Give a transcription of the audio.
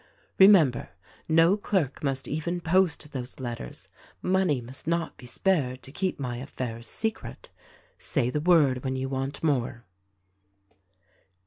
Remember, no clerk must even post those letters; money must not be spared to keep my affairs secret. Say the word when you want more."